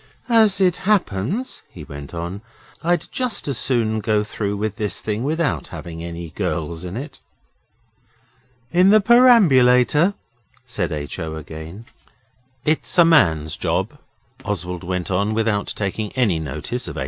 'As it happens,' he went on, 'I'd just as soon go through with this thing without having any girls in it.' 'In the perambulator?' said H. O. again. 'It's a man's job,' Oswald went on, without taking any notice of H.